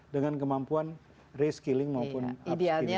dengan kemampuan reskilling maupun upstinasi